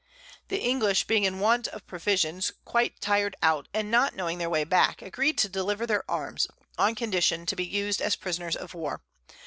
The English being in want of Provisions, quite tir'd out, and not knowing their Way back, agreed to deliver their Arms, on condition to be us'd as Prisoners of War.